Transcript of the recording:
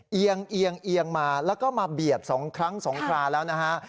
เอียงเอียงมาแล้วก็มาเบียด๒ครั้ง๒คราแล้วนะฮะ